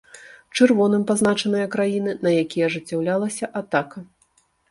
Чырвоным пазначаныя краіны, на якія ажыццяўлялася атака.